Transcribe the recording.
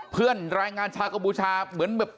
เพื่อนรายงานชากบูชาเหมือนแบบ